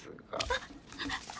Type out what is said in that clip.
あっ！